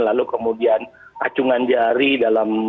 lalu kemudian acungan jari dalam